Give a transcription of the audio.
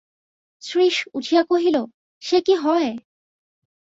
শ্রীশ উঠিয়া কহিল, সে কি হয়!